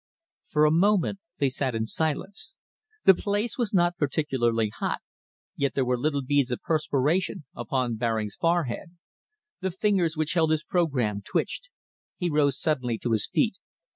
For a moment they sat in silence. The place was not particularly hot, yet there were little beads of perspiration upon Baring's forehead. The fingers which held his programme twitched. He rose suddenly to his feet.